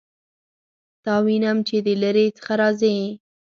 تا وینم چې د لیرې څخه راځې